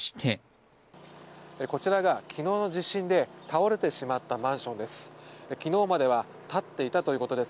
こちらが昨日の地震で倒れてしまったマンションです。